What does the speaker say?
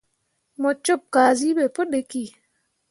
Mo cup kazi be pu ɗiki.